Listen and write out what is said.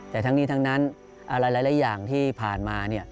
แต่ทั้งนี้ทั้งนั้นอะไรหลายอย่างที่ผ่านมา